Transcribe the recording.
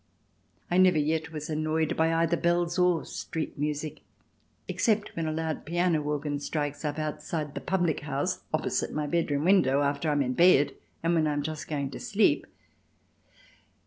I never yet was annoyed by either bells or street music except when a loud piano organ strikes up outside the public house opposite my bedroom window after I am in bed and when I am just going to sleep.